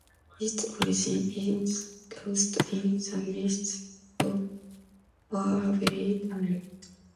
Its origin is lost in the mists of faraway time.